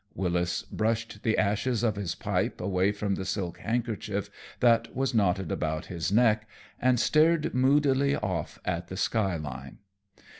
Wyllis brushed the ashes of his pipe away from the silk handkerchief that was knotted about his neck and stared moodily off at the sky line.